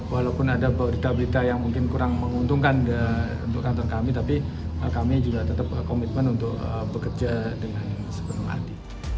walaupun ada berita berita yang mungkin kurang menguntungkan untuk kantor kami tapi kami juga tetap komitmen untuk bekerja dengan sepenuh hati